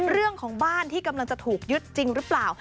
เรื่องของบ้านที่กำลังจะถูกยึดจริงหรือเปล่า